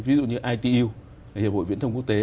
ví dụ như itu hay hiệp hội viễn thông quốc tế